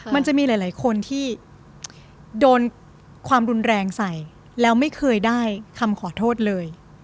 มันจะมีหลายคนที่โดนความรุนแรงใส่แล้วไม่เคยได้คำขอโทษเลย